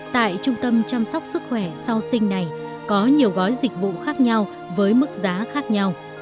tại trung tâm chăm sóc sức khỏe sau sinh này có nhiều gói dịch vụ khác nhau với mức giá khác nhau